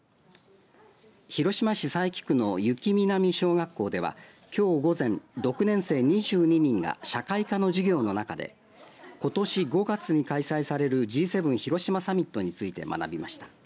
広島市佐伯区の湯来南小学校ではきょう午前、６年生２２人が社会科の授業の中でことし５月に開催されるＧ７広島サミットについて学びました。